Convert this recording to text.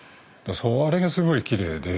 それがすごいきれいで。